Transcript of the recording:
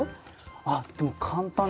あっでも簡単に。